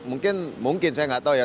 mungkin mungkin saya gak tau ya